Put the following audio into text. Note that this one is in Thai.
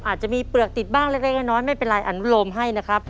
อาจจะมีเปลือกติดบ้างเล็กน้อยไม่เป็นไรอนุโลมให้นะครับ